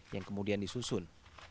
yang kemudian disusun